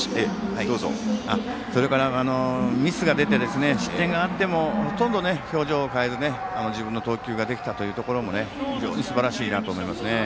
それから、ミスが出て失点があってもほとんど表情を変えずに自分の投球ができたというところも非常にすばらしいなと思いました。